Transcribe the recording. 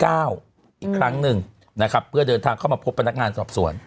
อีกครั้งหนึ่งเพื่อเดินทางมาพบพนักงานสอบส่วน